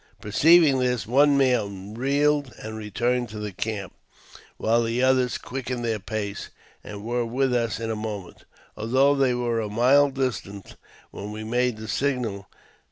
Perceiving this, one man wheeled and returned to the camp, while the others quickened their pace, and were with us in a moment, although they were a mile distant when we made the signal.